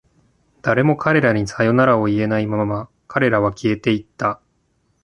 誰も彼らにさよならを言えないまま、彼らは消えていった。